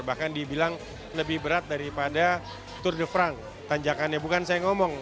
bahkan dibilang lebih berat daripada tour de frank tanjakannya bukan saya ngomong